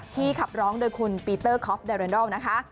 ขับร้องโดยคุณปีเตอร์คอฟแดเรนดอลนะคะ